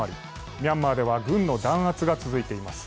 ミャンマーでは軍の弾圧が続いています。